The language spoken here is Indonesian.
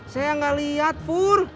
saya enggak lihat pur